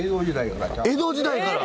江戸時代から！